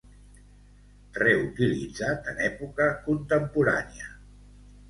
Reutilitzat en època contemporània.